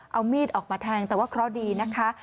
เอามีดออกมาแทงแต่ว่าเคราะห์ดีนะคะ